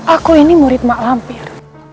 aku ini murid mak lampir